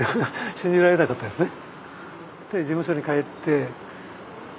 信じられなかったですね。